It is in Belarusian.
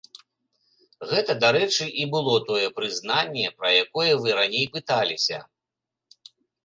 Гэта, дарэчы, і было тое прызнанне, пра якое вы раней пыталіся.